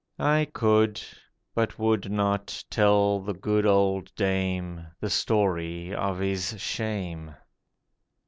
I could, but would not, tell the good old dame The story of his shame.